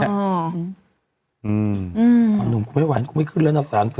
อ้าวหนุ่มผมไม่ไหวผมไม่ขึ้นรายหน้าฐานเถอะ